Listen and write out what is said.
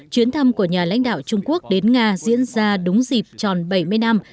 chuyến thăm của nhà lãnh đạo trung quốc đến nga diễn ra đúng dịp tròn bảy mươi năm